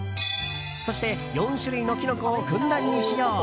そして、４種類のキノコをふんだんに使用。